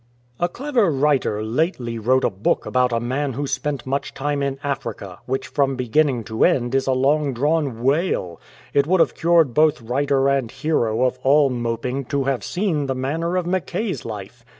" A clever writer lately wrote a book about a man who spent much time in Africa, which from beginning to end is a long drawn wail. It would have cured both writer and hero of all moping to have seen the manner of Mackay's life.